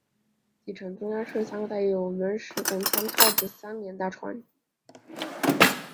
底层中央是三个带有石圆拱窗套的三联大窗。